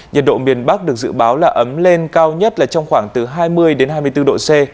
nhiệt độ miền bắc được dự báo là ấm lên cao nhất là trong khoảng từ hai mươi hai mươi bốn độ c